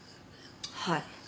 はい。